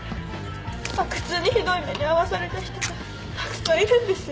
阿久津にひどい目に遭わされた人がたくさんいるんですよ。